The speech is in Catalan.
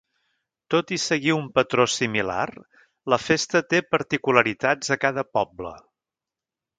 Tot i seguir un patró similar, la festa té particularitats a cada poble.